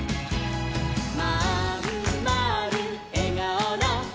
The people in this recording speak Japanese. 「まんまるえがおのハイ！」